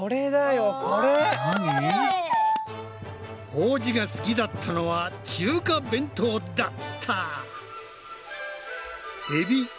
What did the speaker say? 王子が好きだったのは中華弁当だった！